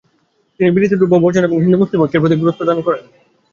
তিনি বিলেতি দ্রব্য বর্জন এবং হিন্দু-মুসলিম ঐক্যের প্রতি গুরুত্ব প্রদান করেন।